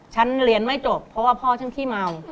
ฉันเรียนไม่จบเพราะว่าพ่อฉันขี้เมา